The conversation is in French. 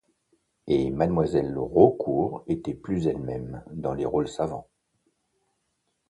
Et Mademoiselle Raucourt était plus elle-même dans les rôles savants.